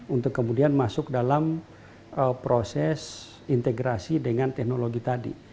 untuk kemudian masuk dalam proses integrasi dengan teknologi tadi